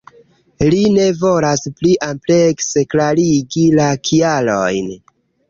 Li ne volas pli amplekse klarigi la kialojn.